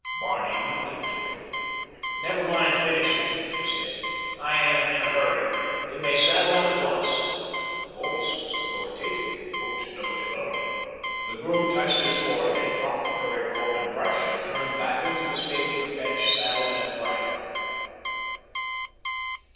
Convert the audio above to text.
Barney nodded to him. "Never mind finishing," he said. "I am in a hurry. You may saddle him at once." The voice was authoritative—it brooked no demur. The groom touched his forehead, dropped the currycomb and brush, and turned back into the stable to fetch saddle and bridle.